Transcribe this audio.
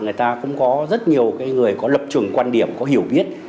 người ta cũng có rất nhiều người có lập trường quan điểm có hiểu biết